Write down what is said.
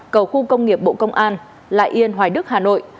cầu khu công nghiệp bộ công an lại yên hoài đức hà nội